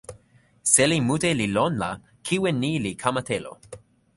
seli mute li lon la kiwen ni li kama telo.